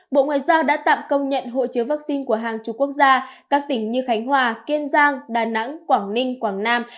bộ ngoại giao đã tạm công nhận hộ chiếu vaccine của hàng chục quốc gia các tỉnh như khánh hòa kiên giang đà nẵng quảng ninh quảng nam